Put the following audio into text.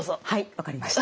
分かりました。